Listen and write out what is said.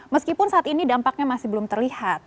meskipun saat ini dampaknya masih belum terlihat